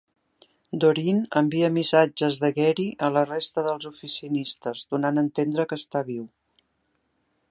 Dorine envia missatges de Gary a la resta dels oficinistes, donant a entendre que està viu.